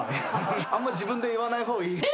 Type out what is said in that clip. あんま自分で言わない方がいいよ。